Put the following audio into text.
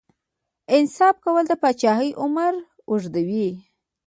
انصاف کول د پاچاهۍ عمر اوږدوي.